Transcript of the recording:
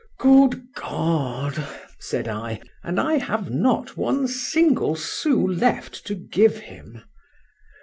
—Good God! said I—and I have not one single sous left to give him.